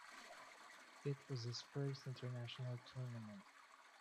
It was his first international tournament.